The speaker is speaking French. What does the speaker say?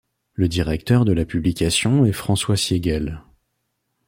Le directeur de la publication est François Siegel.